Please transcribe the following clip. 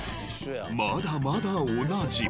まだまだ同じ。